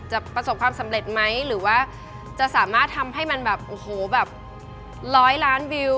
จะประสบความสำเร็จไหมหรือว่าจะสามารถทำให้มันแบบ๑๐๐ล้านวิว